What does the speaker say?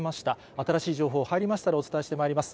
新しい情報、入りましたらお伝えしてまいります。